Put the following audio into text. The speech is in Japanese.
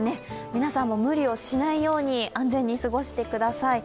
皆さんも無理をしないように安全に過ごしてください。